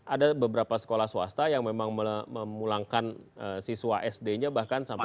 ada beberapa sekolah swasta yang memang memulangkan siswa sd nya bahkan sampai